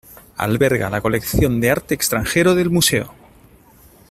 Alberga la colección de arte extranjero del museo.